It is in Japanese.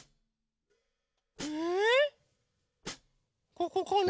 ここかな？